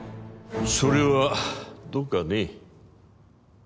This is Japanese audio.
それはどうかね